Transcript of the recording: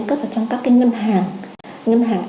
cất vào trong các cái ngân hàng ngân hàng